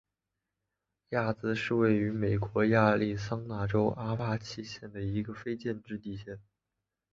亚兹是位于美国亚利桑那州阿帕契县的一个非建制地区。